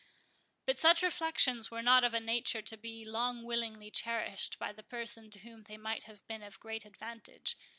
But such reflections were not of a nature to be long willingly cherished by the person to whom they might have been of great advantage.